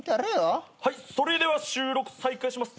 それでは収録再開します。